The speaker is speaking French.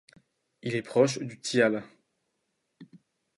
Il est proche du tiale.